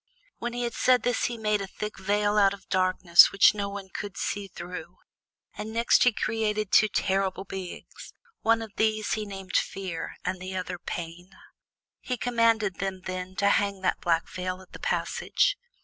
When he had said this he made a thick veil out of darkness which no one could see through, and next he created two terrible beings, one of these he named Fear and the other one Pain. He commanded them then to hang that black veil at the Passage.